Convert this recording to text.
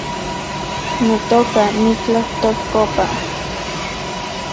Notoka , nitlajtolkopa